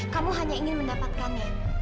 kamu hanya ingin mendapatkannya